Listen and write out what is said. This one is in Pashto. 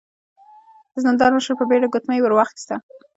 د زندان مشر په بيړه ګوتمۍ ور واخيسته.